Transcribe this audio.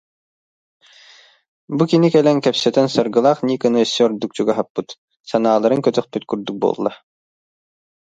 Бу кини кэлэн, кэпсэтэн Саргылаах Никаны өссө өрдук чугаһаппыт, санааларын көтөхпүт курдук буолла